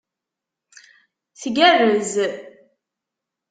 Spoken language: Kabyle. Tgerrez.